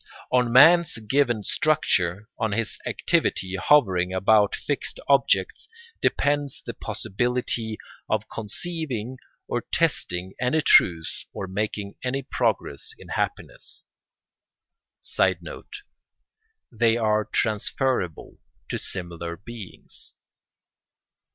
On man's given structure, on his activity hovering about fixed objects, depends the possibility of conceiving or testing any truth or making any progress in happiness. [Sidenote: They are transferable to similar beings.